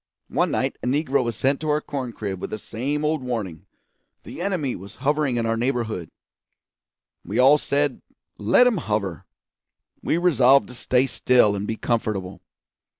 One night a negro was sent to our corn crib with the same old warning: the enemy was hovering in our neighbourhood. We all said let him hover. We resolved to stay still and be comfortable.